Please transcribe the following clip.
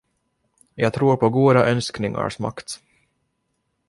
Jag tror på goda önskningars makt.